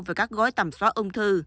về các gói tầm xóa ung thư